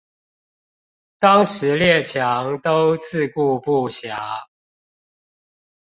當時列強都自顧不暇